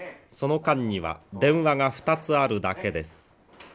その間には電話が２つあるだけです。